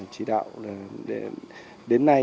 chỉ đạo đến nay